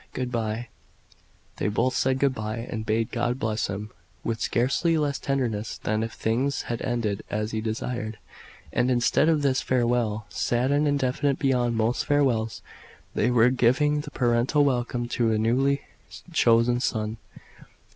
Good bye." They both said good bye, and bade God bless him; with scarcely less tenderness than if things had ended as he desired, and, instead of this farewell, sad and indefinite beyond most farewells, they were giving the parental welcome to a newly chosen son.